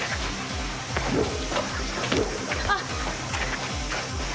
あっ！